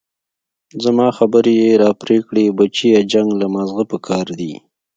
زما خبرې يې راپرې كړې بچيه جنګ له مازغه پكار دي.